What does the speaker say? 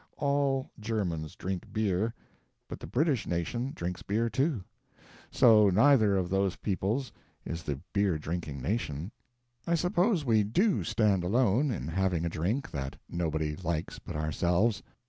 All Germans drink beer, but the British nation drinks beer, too; so neither of those peoples is the beer drinking nation. I suppose we do stand alone in having a drink that nobody likes but ourselves.